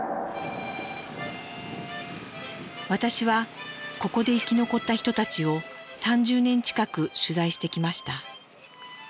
私はここで生き残った人たちを３０年近く取材してきました。